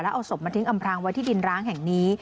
เอาศพมาทิ้งอำพรางไว้ที่ดินร้างแห่งนี้